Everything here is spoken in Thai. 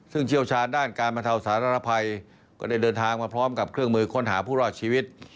ซึ่งเชี่ยวชาญด้านการบรรเทาสารภัยก็ได้เดินทางมาพร้อมกับเครื่องมือค้นหาผู้รอดชีวิต